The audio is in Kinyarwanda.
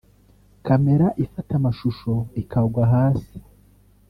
camera ifata amashusho ikagwa hasi